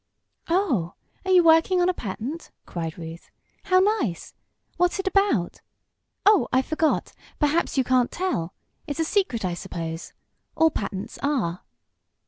"Oh, are you working on a patent?" cried Ruth. "How nice! What's it about? Oh, I forgot! Perhaps you can't tell. It's a secret, I suppose. All patents are."